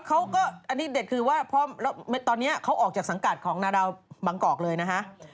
เขาก็อันนี้เด็ดคือว่าเพราะตอนนี้เขาออกจากสังกัดของนาดาวบางกอกเลยนะฮะ